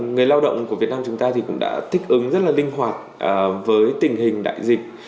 người lao động của việt nam chúng ta thì cũng đã thích ứng rất là linh hoạt với tình hình đại dịch